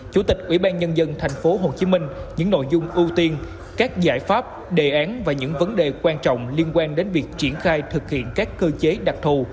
chủ tịch ủy ban nhân dân tp hcm những nội dung ưu tiên các giải pháp đề án và những vấn đề quan trọng liên quan đến việc triển khai thực hiện các cơ chế đặc thù